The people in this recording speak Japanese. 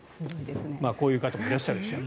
こういう方もいらっしゃるでしょう